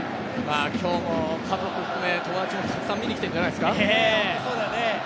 今日も家族含め友達もたくさん見に来ているんじゃないですか。